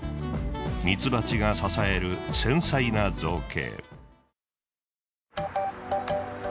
ミツバチが支える繊細な造形。